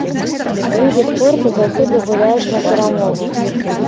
Людзі спорту заўсёды гуляюць на перамогу.